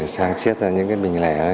sáng chết ra những cái bình lẻ